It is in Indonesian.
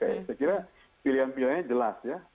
saya kira pilihan pilihannya jelas ya